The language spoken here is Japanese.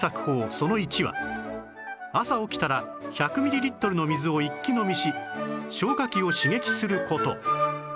その１は朝起きたら１００ミリリットルの水を一気飲みし消化器を刺激する事